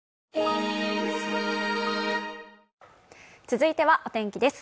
続いてはお天気です。